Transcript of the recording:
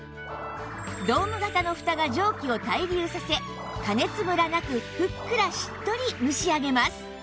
ドーム型のふたが蒸気を対流させ加熱ムラなくふっくらしっとり蒸し上げます